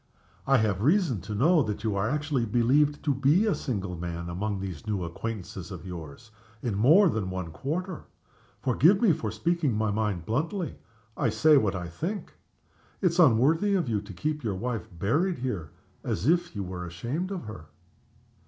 I have reason to know that you are actually believed to be a single man, among these new acquaintances of yours, in more than one quarter. Forgive me for speaking my mind bluntly I say what I think. It's unworthy of you to keep your wife buried here, as if you were ashamed of her."